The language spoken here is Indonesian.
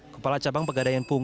kepala cabang pegadaian punggung